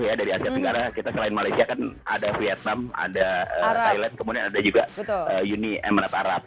ya dari asia tenggara kita selain malaysia kan ada vietnam ada thailand kemudian ada juga uni emirat arab